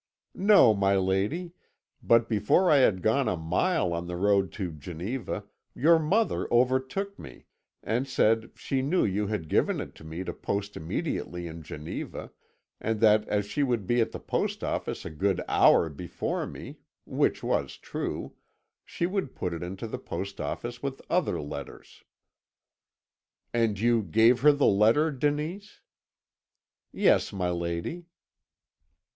"'No, my lady; but before I had gone a mile on the road to Geneva, your mother overtook me, and said she knew you had given it to me to post immediately in Geneva, and that as she would be at the post office a good hour before me which was true she would put it into the post with other letters.' "'And you gave her the letter, Denise?' "'Yes, my lady.'